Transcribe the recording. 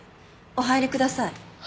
お入りください。